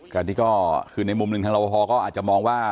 การที่ก็คือในมุมหนึ่งทางราวภอร์ก็อาจจะมองว่า